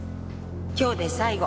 今日で最後。